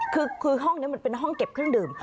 คือห้องนี้มันเป็นห้องเก็บเครื่องดื่ม